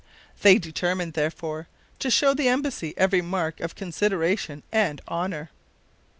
They determined, therefore, to show the embassy every mark of consideration and honor.